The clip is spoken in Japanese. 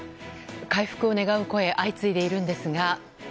回復を願う声相次いでいるんですが。